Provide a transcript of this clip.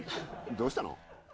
どうしたの？